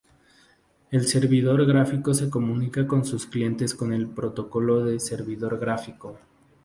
El servidor gráfico se comunica con sus clientes con el protocolo de servidor gráfico.